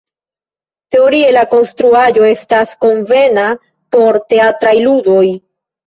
Teoria la konstruaĵo estas konvena por teatraj ludoj.